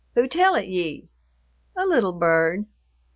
"Who tell it ye?" "A little bird."